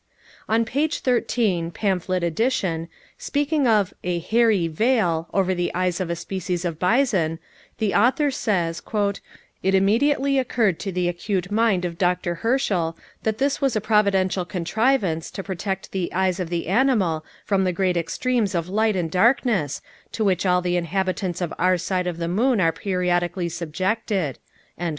On page 13, pamphlet edition, speaking of "a hairy veil" over the eyes of a species of bison, the author says: "It immediately occurred to the acute mind of Dr. Herschel that this was a providential contrivance to protect the eyes of the animal from the great extremes of light and darkness to which all the inhabitants of our side of the moon are periodically subjected."